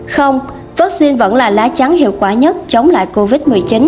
không vaccine vẫn là lá trắng hiệu quả nhất chống lại covid một mươi chín